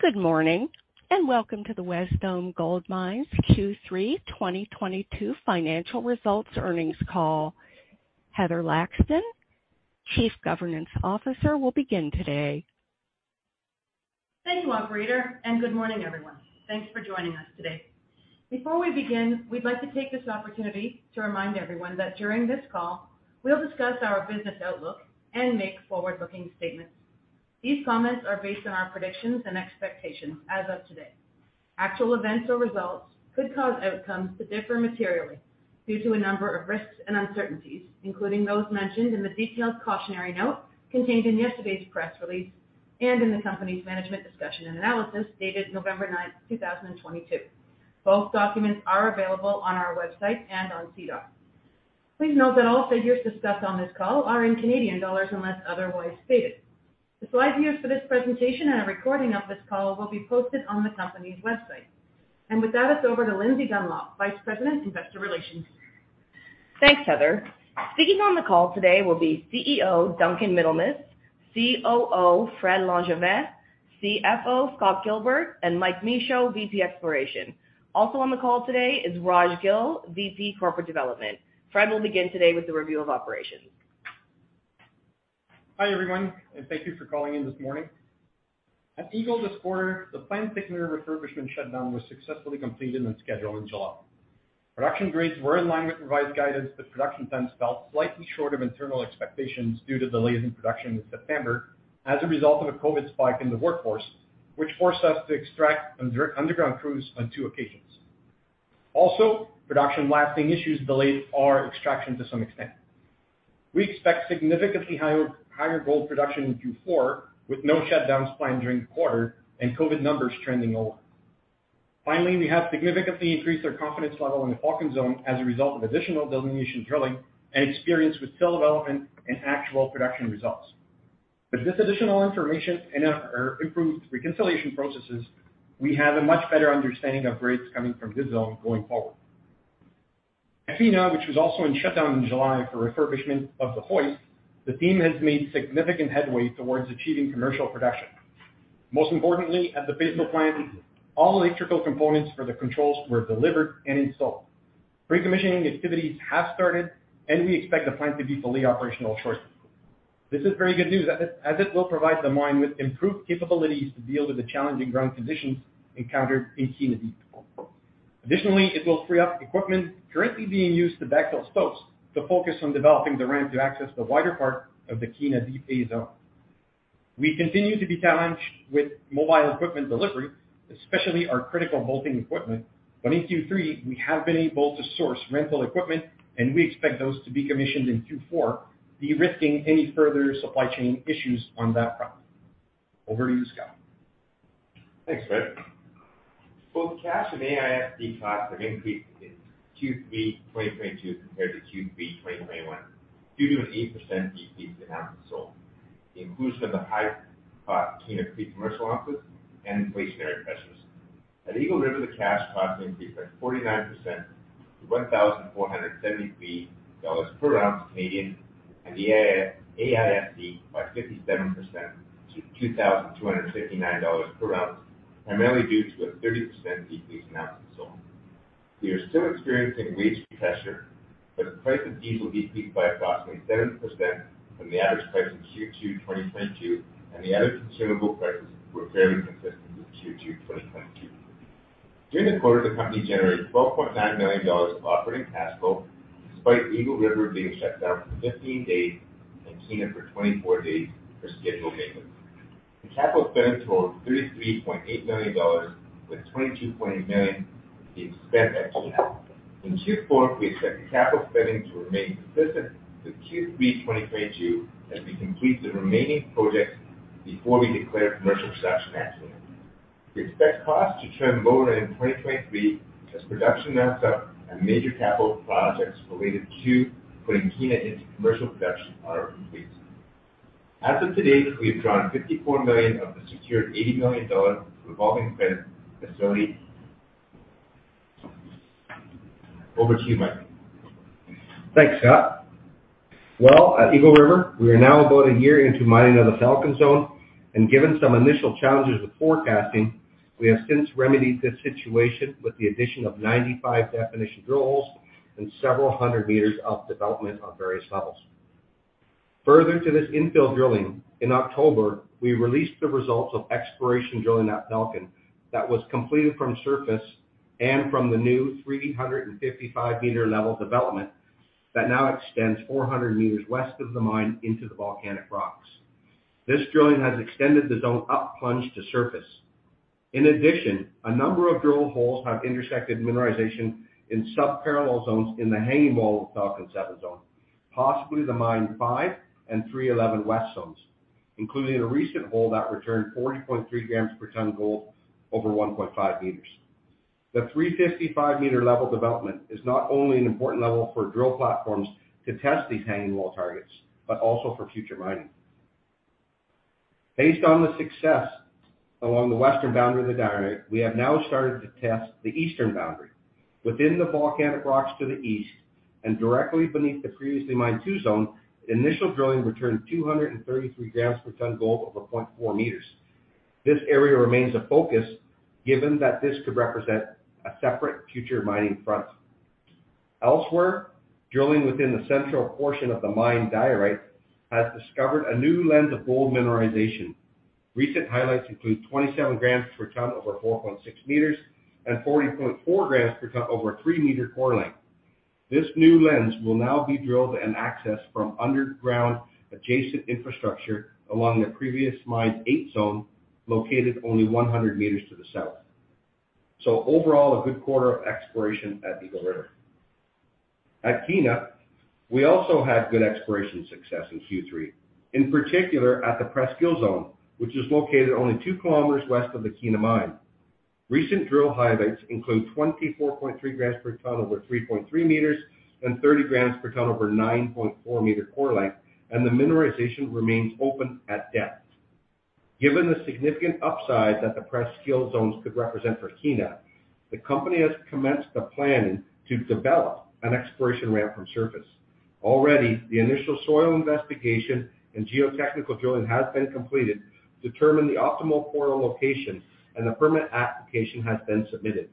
Good morning, and welcome to the Wesdome Gold Mines Q3 2022 financial results earnings call. Heather Laxton, Chief Governance Officer, will begin today. Thank you, operator, and good morning, everyone. Thanks for joining us today. Before we begin, we'd like to take this opportunity to remind everyone that during this call, we'll discuss our business outlook and make forward-looking statements. These comments are based on our predictions and expectations as of today. Actual events or results could cause outcomes to differ materially due to a number of risks and uncertainties, including those mentioned in the detailed cautionary note contained in yesterday's press release and in the company's management discussion and analysis dated November ninth, 2022. Both documents are available on our website and on SEDAR. Please note that all figures discussed on this call are in Canadian dollars unless otherwise stated. The slides used for this presentation and a recording of this call will be posted on the company's website. With that, it's over to Lindsay Dunlop, Vice President, Investor Relations. Thanks, Heather. Speaking on the call today will be CEO Duncan Middlemiss, COO Frédéric Langevin, CFO Scott Gilbert, and Michael Michaud, VP Exploration. Also on the call today is Rajbir Gill, VP Corporate Development. Fred will begin today with the review of operations. Hi, everyone, and thank you for calling in this morning. At Eagle this quarter, the planned thickener refurbishment shutdown was successfully completed on schedule in July. Production grades were in line with revised guidance, but production tons fell slightly short of internal expectations due to delays in production in September as a result of a COVID spike in the workforce, which forced us to extract underground crews on two occasions. Also, production blasting issues delayed our extraction to some extent. We expect significantly higher gold production in Q4 with no shutdowns planned during the quarter and COVID numbers trending lower. Finally, we have significantly increased our confidence level in the Falcon zone as a result of additional delineation drilling and experience with fill development and actual production results. With this additional information and our improved reconciliation processes, we have a much better understanding of grades coming from this zone going forward. At Kiena, which was also in shutdown in July for refurbishment of the hoist, the team has made significant headway towards achieving commercial production. Most importantly, at the paste backfill plant, all electrical components for the controls were delivered and installed. Recommissioning activities have started, and we expect the plant to be fully operational shortly. This is very good news as it will provide the mine with improved capabilities to deal with the challenging ground conditions encountered in Kiena Deep. Additionally, it will free up equipment currently being used to backfill stopes to focus on developing the ramp to access the wider part of the Kiena Deep A Zone. We continue to be challenged with mobile equipment delivery, especially our critical bolting equipment. In Q3, we have been able to source rental equipment, and we expect those to be commissioned in Q4, de-risking any further supply chain issues on that front. Over to you, Scott. Thanks, Fred. Both cash and AISC costs have increased in Q3 2022 compared to Q3 2021 due to an 8% decrease in ounces sold, the inclusion of the high-cost Kiena pre-commercial ounces, and inflationary pressures. At Eagle River, the cash cost increased by 49% to 1,473 dollars per ounce, and the AISC by 57% to 2,259 dollars per ounce, primarily due to a 30% decrease in ounces sold. We are still experiencing wage pressure, but the price of diesel decreased by approximately 7% from the average price in Q2 2022, and the other consumable prices were very consistent with Q2 2022. During the quarter, the company generated 12.9 million dollars of operating cash flow, despite Eagle River being shut down for 15 days and Kiena for 24 days for scheduled maintenance. The capital spend totaled 33.8 million dollars, with 22.8 million being spent at Kiena. In Q4, we expect capital spending to remain consistent with Q3 2022 as we complete the remaining projects before we declare commercial production at Kiena. We expect costs to trend lower in 2023 as production ramps up and major capital projects related to putting Kiena into commercial production are complete. As of today, we have drawn 54 million of the secured 80 million dollar revolving credit facility. Over to you, Mike. Thanks, Scott. Well, at Eagle River, we are now about a year into mining of the Falcon Zone, and given some initial challenges with forecasting, we have since remedied this situation with the addition of 95 definition drill holes and several hundred meters of development on various levels. Further to this infill drilling, in October, we released the results of exploration drilling at Falcon that was completed from surface and from the new 355-meter level development that now extends 400 meters west of the mine into the volcanic rocks. This drilling has extended the zone up plunge to surface. In addition, a number of drill holes have intersected mineralization in sub-parallel zones in the hanging wall of the Falcon Seven Zone, possibly the Mine Five and Three Eleven West Zones, including a recent hole that returned 40.3 grams per ton gold over 1.5 meters. The 355-meter level development is not only an important level for drill platforms to test these hanging wall targets, but also for future mining. Based on the success along the western boundary of the dike, we have now started to test the eastern boundary. Within the volcanic rocks to the east and directly beneath the previously mined two zone, initial drilling returned 233 grams per ton gold over 0.4 meters. This area remains a focus given that this could represent a separate future mining front. Elsewhere, drilling within the central portion of the mine diorite has discovered a new lens of gold mineralization. Recent highlights include 27 grams per ton over 4.6 meters and 40.4 grams per ton over 3-meter core length. This new lens will now be drilled and accessed from underground adjacent infrastructure along the previous mine eight zone, located only 100 meters to the south. Overall, a good quarter of exploration at Eagle River. At Kiena, we also had good exploration success in Q3, in particular at the Presqu'ile zone, which is located only 2 kilometers west of the Kiena Mine. Recent drill highlights include 24.3 grams per ton over 3.3 meters and 30 grams per ton over 9.4-meter core length, and the mineralization remains open at depth. Given the significant upside that the Presqu'ile zones could represent for Kiena, the company has commenced the planning to develop an exploration ramp from surface. Already, the initial soil investigation and geotechnical drilling has been completed to determine the optimal portal location, and the permit application has been submitted.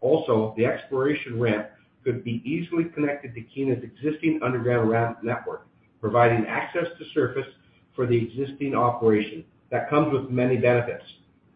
Also, the exploration ramp could be easily connected to Kiena's existing underground ramp network, providing access to surface for the existing operation that comes with many benefits,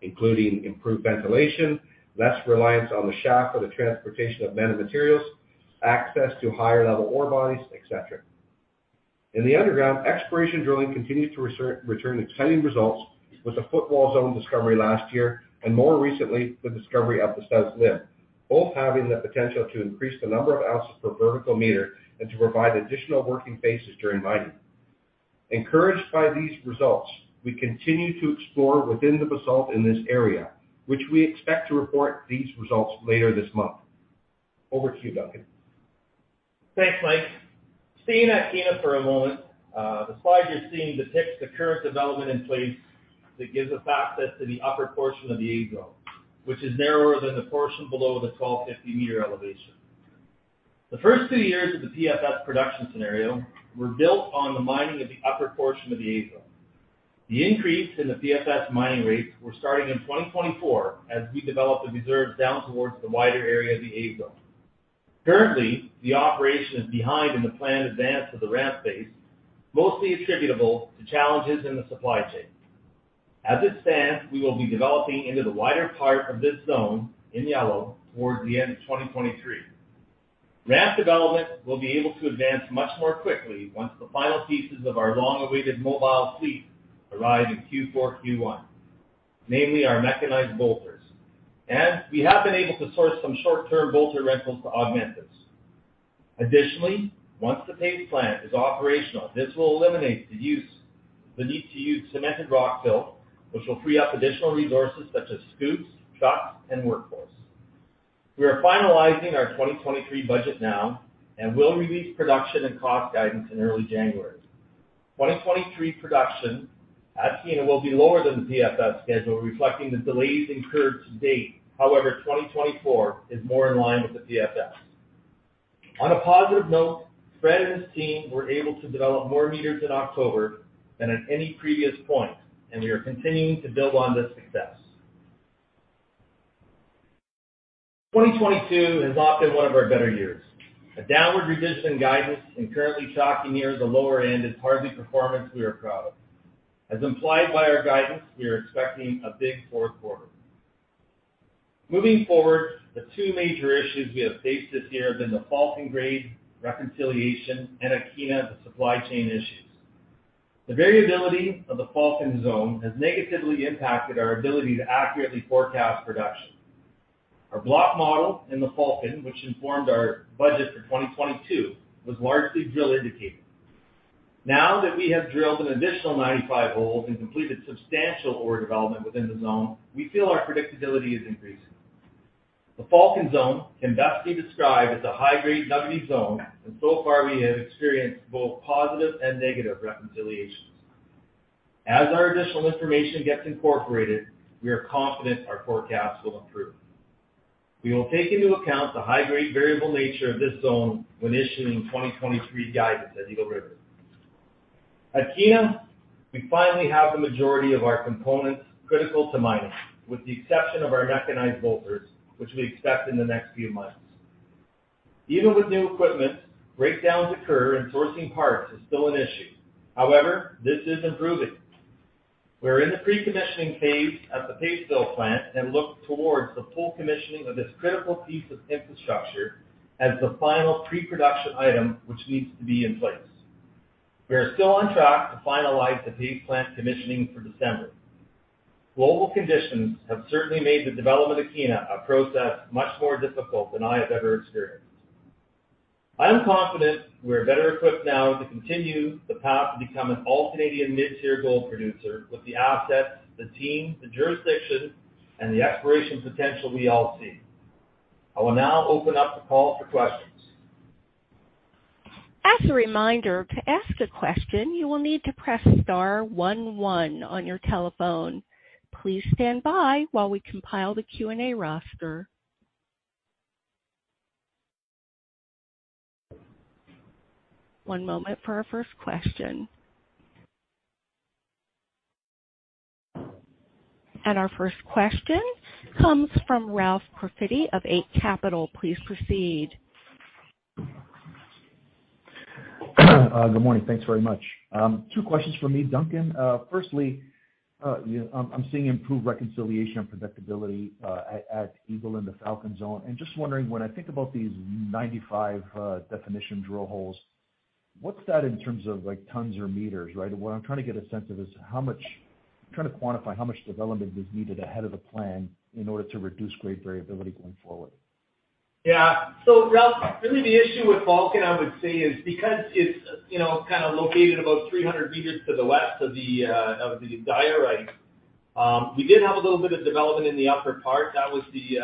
including improved ventilation, less reliance on the shaft for the transportation of men and materials, access to higher level ore bodies, et cetera. In the underground, exploration drilling continues to return exciting results with the footwall zone discovery last year, and more recently, the discovery at the south limb, both having the potential to increase the number of ounces per vertical meter and to provide additional working faces during mining. Encouraged by these results, we continue to explore within the basalt in this area, which we expect to report these results later this month. Over to you, Duncan. Thanks, Mike. Staying at Kiena for a moment, the slide you're seeing depicts the current development in place that gives us access to the upper portion of the A-zone, which is narrower than the portion below the 1,250 meter elevation. The first two years of the PFS production scenario were built on the mining of the upper portion of the A-zone. The increase in the PFS mining rates were starting in 2024, as we develop the reserves down towards the wider area of the A-zone. Currently, the operation is behind in the planned advance of the ramp's pace, mostly attributable to challenges in the supply chain. As it stands, we will be developing into the wider part of this zone in yellow towards the end of 2023. Ramp development will be able to advance much more quickly once the final pieces of our long-awaited mobile fleet arrive in Q4, Q1, namely our mechanized bolters. We have been able to source some short-term bolter rentals to augment this. Additionally, once the paste plant is operational, this will eliminate the need to use cemented rock fill, which will free up additional resources such as scoops, trucks, and workforce. We are finalizing our 2023 budget now and will release production and cost guidance in early January. 2023 production at Kiena will be lower than the PFS schedule, reflecting the delays incurred to date. However, 2024 is more in line with the PFS. On a positive note, Fred and his team were able to develop more meters in October than at any previous point, and we are continuing to build on this success. 2022 is often one of our better years. A downward revision to guidance and currently tracking near the lower end is hardly performance we are proud of. As implied by our guidance, we are expecting a big fourth quarter. Moving forward, the two major issues we have faced this year have been the Falcon grade reconciliation and at Kiena, the supply chain issues. The variability of the Falcon Zone has negatively impacted our ability to accurately forecast production. Our block model in the Falcon, which informed our budget for 2022, was largely drill indicated. Now that we have drilled an additional 95 holes and completed substantial ore development within the zone, we feel our predictability is increasing. The Falcon Zone can best be described as a high-grade nuggety zone, and so far we have experienced both positive and negative reconciliations. As our additional information gets incorporated, we are confident our forecast will improve. We will take into account the high-grade variable nature of this zone when issuing 2023 guidance at Eagle River. At Kiena, we finally have the majority of our components critical to mining, with the exception of our mechanized bolters, which we expect in the next few months. Even with new equipment, breakdowns occur and sourcing parts is still an issue. However, this is improving. We're in the pre-commissioning phase at the paste fill plant and look towards the full commissioning of this critical piece of infrastructure as the final pre-production item which needs to be in place. We are still on track to finalize the paste plant commissioning for December. Global conditions have certainly made the development of Kiena a process much more difficult than I have ever experienced. I am confident we are better equipped now to continue the path to become an all-Canadian mid-tier gold producer with the assets, the team, the jurisdiction, and the exploration potential we all see. I will now open up the call for questions. As a reminder, to ask a question, you will need to press star one one on your telephone. Please stand by while we compile the Q&A roster. One moment for our first question. Our first question comes from Ralph Profiti of Eight Capital. Please proceed. Good morning. Thanks very much. Two questions for me, Duncan. Firstly, I'm seeing improved reconciliation and predictability at Eagle and the Falcon zone. Just wondering, when I think about these 95 definition drill holes, what's that in terms of, like, tons or meters, right? What I'm trying to get a sense of is how much I'm trying to quantify how much development is needed ahead of the plan in order to reduce grade variability going forward. Yeah. Ralph, really the issue with Falcon, I would say, is because it's, you know, kind of located about 300 meters to the west of the diorite. We did have a little bit of development in the upper part. That was the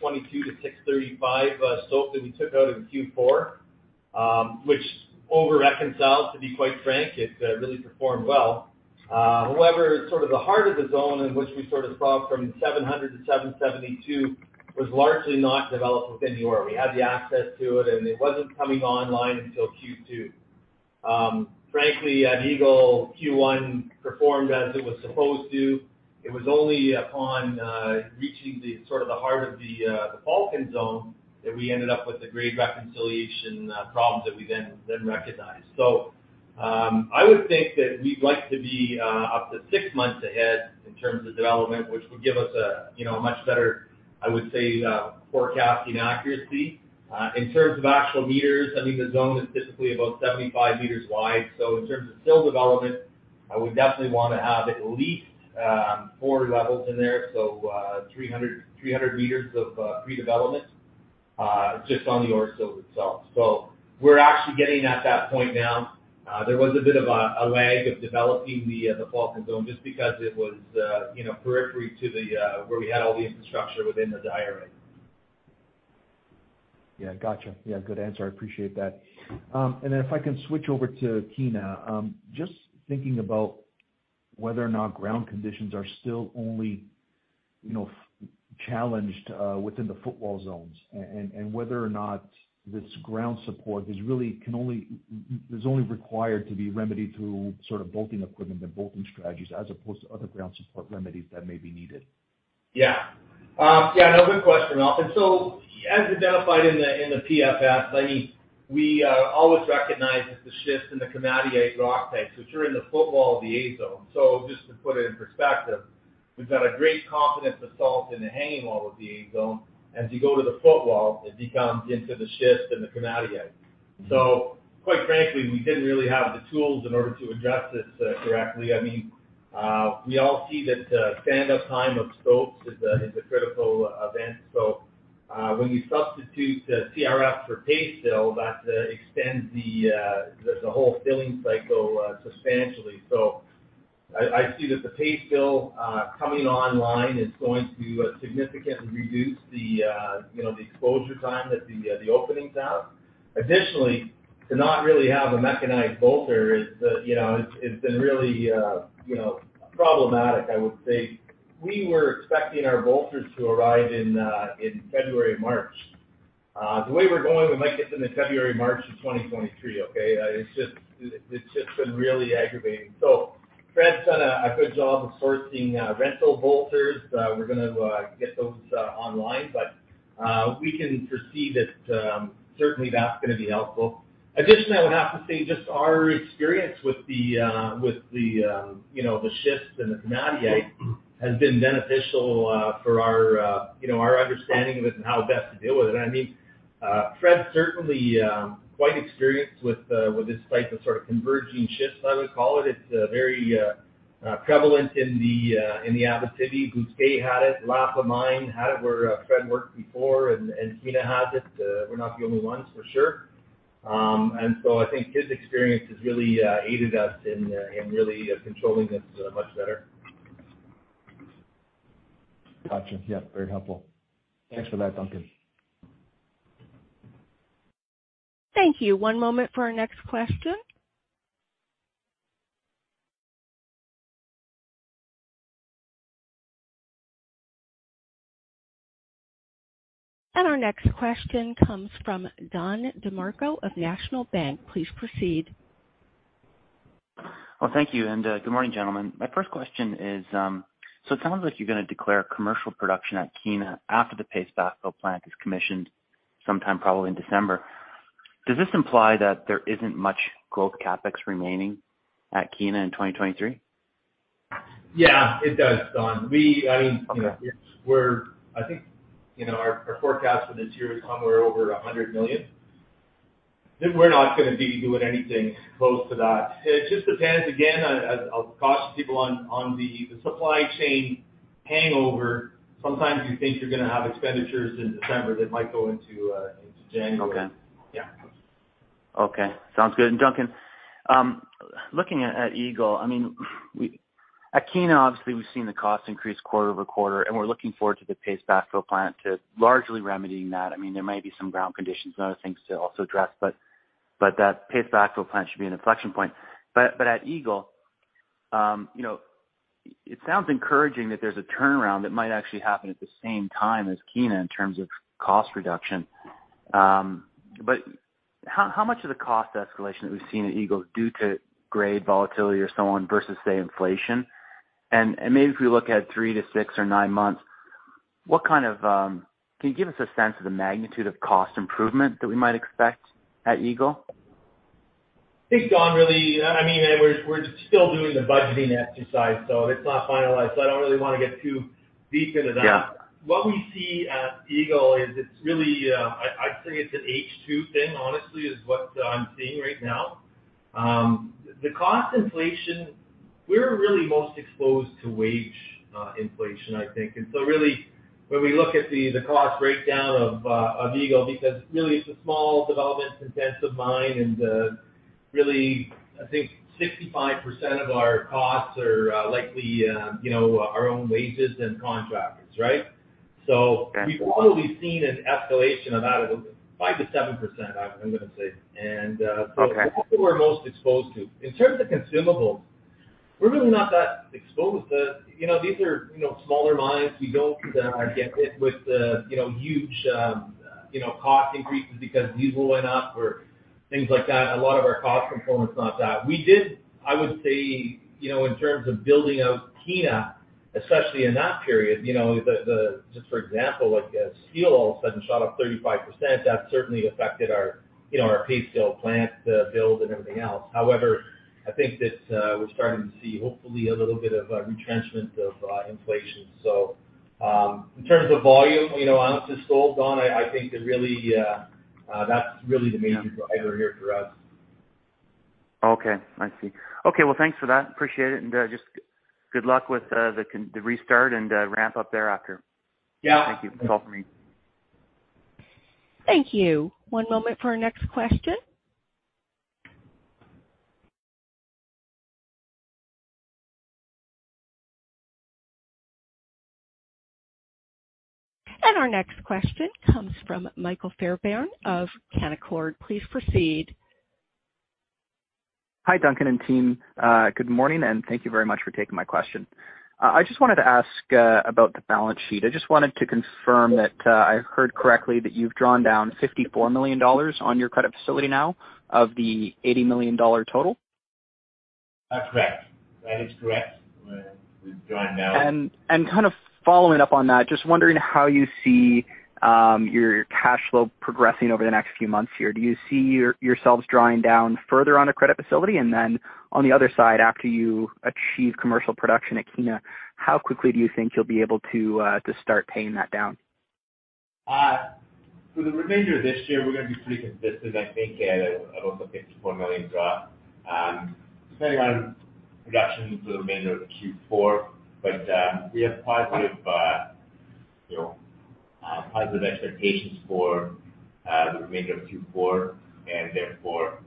622-635 stope that we took out in Q4, which over reconciled, to be quite frank. It really performed well. However, sort of the heart of the zone in which we sort of saw from 700-772 was largely not developed within the ore. We had the access to it, and it wasn't coming online until Q2. Frankly, at Eagle, Q1 performed as it was supposed to. It was only upon reaching the sort of the heart of the Falcon zone that we ended up with the grade reconciliation problems that we then recognized. I would think that we'd like to be up to six months ahead in terms of development, which would give us a, you know, much better, I would say, forecasting accuracy. In terms of actual meters, I think the zone is typically about 75 meters wide. In terms of stope development, I would definitely wanna have at least four levels in there. 300 meters of pre-development just on the ore itself. We're actually getting at that point now. There was a bit of a lag of developing the Falcon zone just because it was, you know, peripheral to the where we had all the infrastructure within the diorite. Yeah. Gotcha. Yeah, good answer. I appreciate that. If I can switch over to Kiena, just thinking about whether or not ground conditions are still only, you know, challenged within the footwall zones and whether or not this ground support is only required to be remedied through sort of bolting equipment and bolting strategies as opposed to other ground support remedies that may be needed. Yeah. Yeah, no, good question, Ralph. As identified in the PFS, I mean, we always recognize that the shift in the Komatiite rock types, which are in the footwall of the A zone. Just to put it in perspective, we've got a great confidence with salt in the hanging wall of the A zone. As you go to the footwall, it becomes into the schist and the Komatiite. Quite frankly, we didn't really have the tools in order to address this correctly. I mean, we all see that stand up time of stopes is a critical event. When you substitute the CRF for paste fill, that extends the the whole filling cycle substantially. I see that the paste fill coming online is going to significantly reduce the, you know, the exposure time that the openings have. Additionally, to not really have a mechanized bolter is, you know, it's been really, you know, problematic, I would say. We were expecting our bolters to arrive in February, March. The way we're going, we might get them in February, March of 2023, okay? It's just been really aggravating. Fred's done a good job of sourcing rental bolters. We're gonna get those online. But we can foresee that certainly that's gonna be helpful. Additionally, I would have to say just our experience with the you know the schist and the Komatiite has been beneficial for our you know our understanding of it and how best to deal with it. I mean, Fred's certainly quite experienced with this type of sort of converging schist, I would call it. It's very prevalent in the Abitibi. Bousquet had it. Lapa mine had it, where Fred worked before. Kiena has it. We're not the only ones for sure. I think his experience has really aided us in really controlling this much better. Gotcha. Yeah, very helpful. Thanks for that, Duncan. Thank you. One moment for our next question. Our next question comes from Don DeMarco of National Bank. Please proceed. Thank you. Good morning, gentlemen. My first question is, so it sounds like you're gonna declare commercial production at Kiena after the paste backfill plant is commissioned sometime probably in December. Does this imply that there isn't much growth CapEx remaining at Kiena in 2023? Yeah, it does, Don. I mean, you know, we're, I think, you know, our forecast for this year is somewhere over 100 million. We're not gonna be doing anything close to that. It just depends, again, as I'll caution people on, the supply chain hangover. Sometimes you think you're gonna have expenditures in December that might go into January. Okay. Yeah. Okay. Sounds good. Duncan, looking at Eagle, I mean, at Kiena, obviously, we've seen the cost increase quarter-over-quarter, and we're looking forward to the paste backfill plant to largely remedying that. I mean, there might be some ground conditions and other things to also address, but that paste backfill plant should be an inflection point. At Eagle, you know, it sounds encouraging that there's a turnaround that might actually happen at the same time as Kiena in terms of cost reduction. How much of the cost escalation that we've seen at Eagle is due to grade volatility or so on versus, say, inflation? Maybe if we look at three to six or nine months, what kind of cost improvement that we might expect at Eagle can you give us a sense of the magnitude? I think, Don, really, I mean, we're still doing the budgeting exercise, so it's not finalized, so I don't really wanna get too deep into that. Yeah. What we see at Eagle is it's really, I'd say it's an H2 thing, honestly, is what I'm seeing right now. The cost inflation, we're really most exposed to wage inflation, I think. Really when we look at the cost breakdown of Eagle, because really it's a small development and dense of mine and really, I think 65% of our costs are likely, you know, our own wages and contractors, right? Okay. We've only seen an escalation of about 5%-7%, I'm gonna say. Okay. That's what we're most exposed to. In terms of consumables, we're really not that exposed. You know, these are, you know, smaller mines. We don't get hit with the, you know, huge cost increases because diesel went up or things like that. A lot of our cost components are not that. We did, I would say, you know, in terms of building out Kiena, especially in that period, you know, just for example, like steel all of a sudden shot up 35%. That certainly affected our, you know, our paste fill plant, the build and everything else. However, I think that we're starting to see hopefully a little bit of a retrenchment of inflation. In terms of volume, you know, ounces sold, Don, I think that's really the major driver here for us. Okay. I see. Okay. Well, thanks for that. Appreciate it. Just good luck with the restart and ramp up thereafter. Yeah. Thank you. That's all for me. Thank you. One moment for our next question. Our next question comes from Michael Fairbairn of Canaccord. Please proceed. Hi, Duncan and team. Good morning, and thank you very much for taking my question. I just wanted to ask about the balance sheet. I just wanted to confirm that I heard correctly that you've drawn down 54 million dollars on your credit facility now of the 80 million dollar total. That is correct. We've drawn down. Kind of following up on that, just wondering how you see your cash flow progressing over the next few months here. Do you see yourselves drawing down further on a credit facility? On the other side, after you achieve commercial production at Kiena, how quickly do you think you'll be able to to start paying that down? For the remainder of this year, we're gonna be pretty consistent, I think. About the 54 million draw, depending on production for the remainder of Q4. We have positive, you know, expectations for the remainder of Q4, and therefore,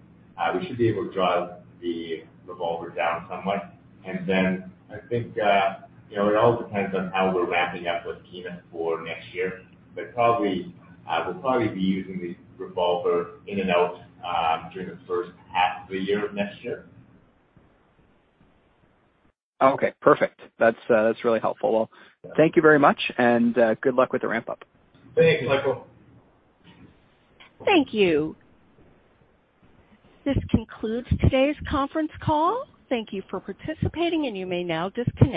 we should be able to drive the revolver down somewhat. I think, you know, it all depends on how we're ramping up with Kiena for next year. We'll probably be using the revolver in and out during the first half of the year next year. Okay. Perfect. That's really helpful. Well, thank you very much, and good luck with the ramp up. Thank you, Michael. Thank you. This concludes today's conference call. Thank you for participating, and you may now disconnect.